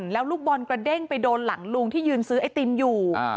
แล้วลูกบอลกระเด้งไปโดนหลังลุงที่ยืนซื้อไอติมอยู่